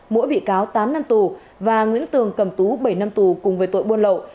mỗi bị cáo tám năm tù và nguyễn tường cầm tú bảy năm tù cùng với tội buôn lậu